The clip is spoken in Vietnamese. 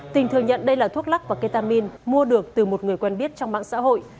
tình thừa nhận đây là thuốc lắc và ketamin mua được từ một người quen biết trong mạng xã hội